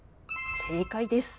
正解です。